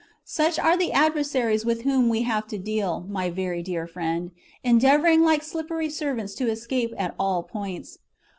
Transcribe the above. Such are the adversaries with whom we have to deal, my very dear friend, endeavouring like slippery serpents to escape at all points.